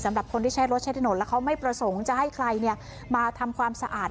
สำหรับคนที่ใช้รถใช้ถนนแล้วเขาไม่ประสงค์จะให้ใครมาทำความสะอาด